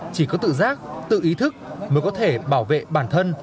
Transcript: chỉ có tự giác tự ý thức mới có thể bảo vệ bản thân